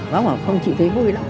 bác bảo không chỉ thấy vui lắm